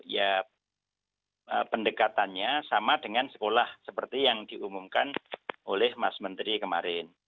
ya pendekatannya sama dengan sekolah seperti yang diumumkan oleh mas menteri kemarin